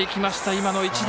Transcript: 今の一打。